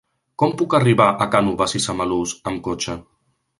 Com puc arribar a Cànoves i Samalús amb cotxe?